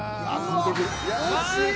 惜しい！